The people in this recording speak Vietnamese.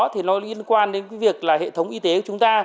thì nó liên quan đến cái việc là hệ thống y tế của chúng ta